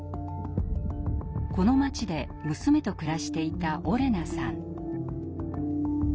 この街で娘と暮らしていたオレナさん。